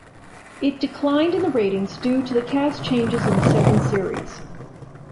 It declined in the ratings due to the cast changes in the second series.